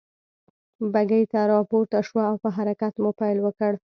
بګۍ ته را پورته شوه او په حرکت مو پيل وکړ.